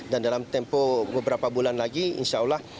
dan dalam tempo beberapa bulan lagi insya allah